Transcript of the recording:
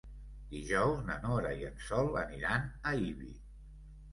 Dijous na Nora i en Sol aniran a Ibi.